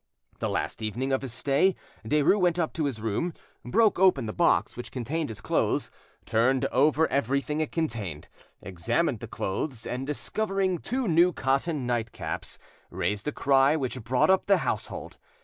The last evening of his stay, Derues went up to his room, broke open the box which contained his clothes, turned over everything it contained, examined the clothes, and discovering two new cotton nightcaps, raised a cry which brought up the household.